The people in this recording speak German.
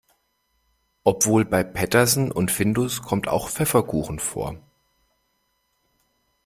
Obwohl, bei Petersen und Findus kommt auch Pfefferkuchen vor.